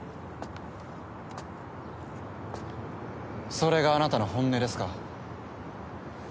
それがあなたの本音ですか？